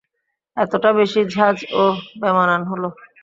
–এতটা বেশি ঝাঁজও বেমানান হল।